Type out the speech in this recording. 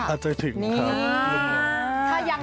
รักแสนเคยมีมั้ยเคยมีรักแสนยัง